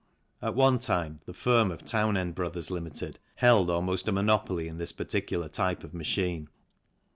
At one time the firm of Townend Bros., Ltd., held almost a monopoly in this particular type of machine.